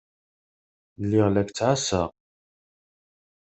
Lliɣ la k-ttɛassaɣ.